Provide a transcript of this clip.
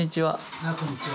ああこんにちは。